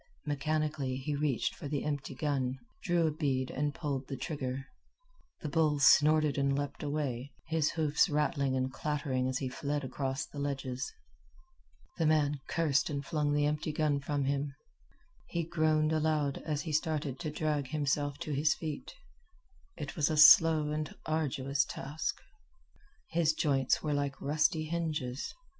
Mechanically he reached for the empty gun, drew a bead, and pulled the trigger. The bull snorted and leaped away, his hoofs rattling and clattering as he fled across the ledges. The man cursed and flung the empty gun from him. He groaned aloud as he started to drag himself to his feet. It was a slow and arduous task. His joints were like rusty hinges.